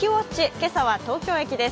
今朝は東京駅です。